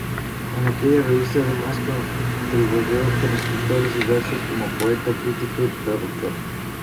En aquella revista, además, contribuyó con escritos diversos como poeta, crítica y traductora.